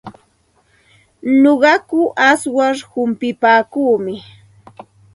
Nuqaku awsar humpipaakuumi.